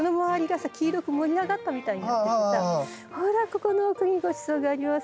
ここの奥にごちそうがあります